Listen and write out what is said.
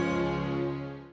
asal kita sudah berpakat